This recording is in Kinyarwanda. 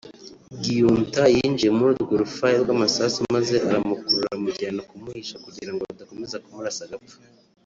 Giunta yinjiye muri urwo rufaya rw’amasasu maze aramukurura amujyana kumuhisha kugirango badakomeza kumurasa agapfa